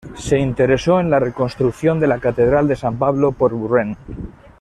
Se interesó en la reconstrucción de la catedral de San Pablo por Wren.